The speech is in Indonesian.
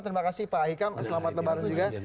terima kasih pak ahi kang selamat lebaran juga